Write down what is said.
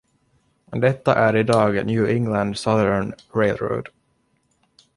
Detta är idag New England Southern Railroad.